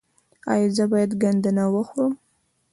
ایا زه باید ګندنه وخورم؟